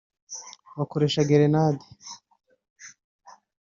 bakoresha gerenade